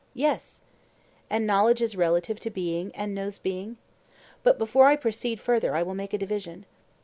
Yes. And knowledge is relative to being and knows being. But before I proceed further I will make a division.